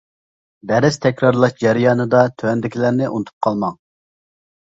دەرس تەكرارلاش جەريانىدا تۆۋەندىكىلەرنى ئۇنتۇپ قالماڭ.